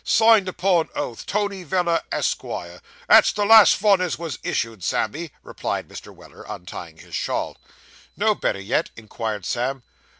Signed upon oath, Tony Veller, Esquire. That's the last vun as was issued, Sammy,' replied Mr. Weller, untying his shawl. 'No better yet?' inquired Sam.